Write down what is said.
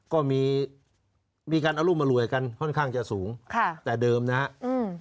ก็มีมีการเอารูปมารวยกันค่อนข้างจะสูงค่ะแต่เดิมนะฮะอืม